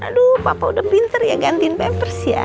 aduh bapak udah pinter ya gantiin pampers ya